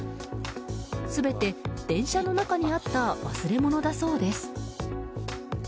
全て電車の中にあった忘れ物だそうです。